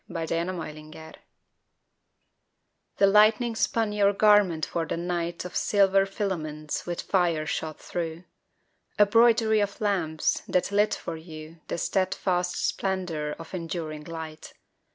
THE LIGHTS OF NEW YORK THE lightning spun your garment for the night Of silver filaments with fire shot thru, A broidery of lamps that lit for you The steadfast splendor of enduring light.